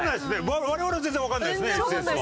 我々は全然わかんないですねＳＳは。